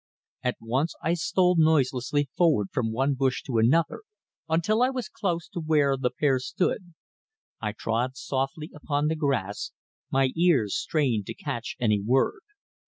At once I stole noiselessly forward from one bush to another until I was close to where the pair stood. I trod softly upon the grass, my ears strained to catch any word.